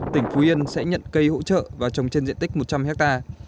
tỉnh phú yên sẽ nhận cây hỗ trợ và trồng trên diện tích một trăm linh hectare